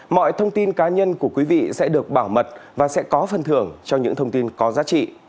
mọi thông tin cá nhân của quý vị sẽ được bảo mật và sẽ có phân thưởng cho những thông tin có giá trị